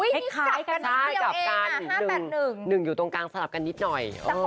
เฮ็กไขกับการ๑อยู่ตรงกลางสลับกันนิดหน่อย